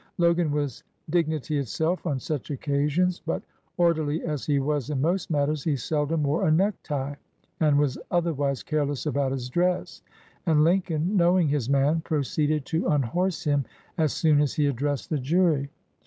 Logan was dignity itself on such occasions; but, orderly as he was in most matters, he seldom wore a necktie and was other wise careless about his dress, and Lincoln, know ing his man, proceeded to unhorse him as soon as he addressed the jury.